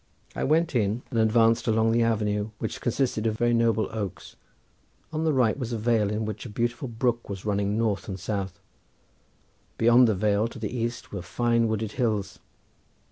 I went in and advanced along the avenue, which consisted of very noble oaks; on the right was a vale in which a beautiful brook was running north and south. Beyond the vale to the east were fine wooded hills.